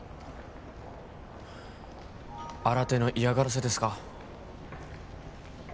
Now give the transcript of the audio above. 新手の嫌がらせですか？